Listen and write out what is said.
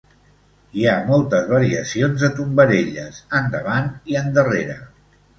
Hi ha moltes variacions de tombarelles endavant i endarrere.